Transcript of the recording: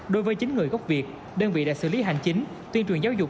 đối với chính người gốc việt đơn vị đã xử lý hành chính tuyên truyền giáo dục